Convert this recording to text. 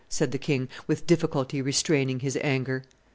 said the king, with difficulty restraining his anger.